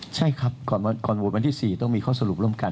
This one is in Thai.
ใช่ครับก่อนโหวตวันที่๔ต้องมีข้อสรุปร่วมกัน